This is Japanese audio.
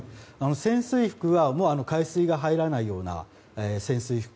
潜水服は海水が入らないような潜水服。